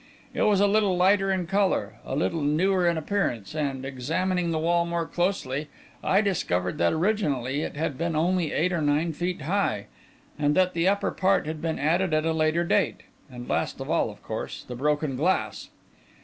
It was a little lighter in colour, a little newer in appearance; and, examining the wall more closely, I discovered that originally it had been only eight or nine feet high, and that the upper part had been added at a later date and last of all, of course, the broken glass!